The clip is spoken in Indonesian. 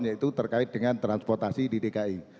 yaitu terkait dengan transportasi di dki